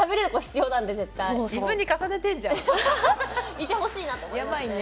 いてほしいなと思いますね。